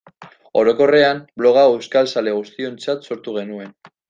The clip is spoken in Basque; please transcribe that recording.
Orokorrean, blog hau euskaltzale guztiontzat sortu genuen.